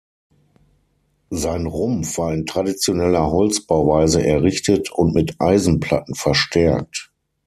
Sein Rumpf war in traditioneller Holzbauweise errichtet und mit Eisenplatten verstärkt.